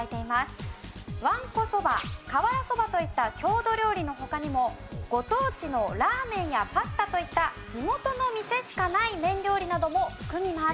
わんこそば瓦そばといった郷土料理の他にもご当地のラーメンやパスタといった地元の店しかない麺料理なども含みます。